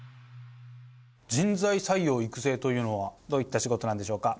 人材採用・育成というのはどういった仕事なんでしょうか？